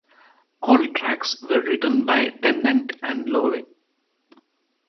All tracks were written by Tennant and Lowe.